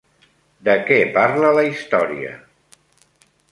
De què parla la història?